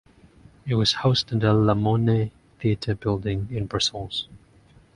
It was housed in the La Monnaie theatre building in Brussels.